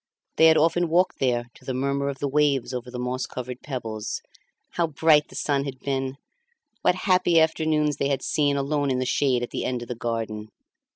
They had often walked there to the murmur of the waves over the moss covered pebbles. How bright the sun had been! What happy afternoons they had seen alone in the shade at the end of the garden!